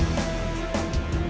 iya terus tuh